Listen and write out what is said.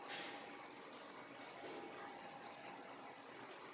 Není v čem být relativistickými.